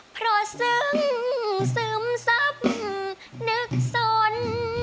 เพราะซึ้งซึมซับนึกสน